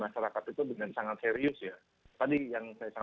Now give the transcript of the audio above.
menurut saya pihak kb selalu mencari penyelenggaraan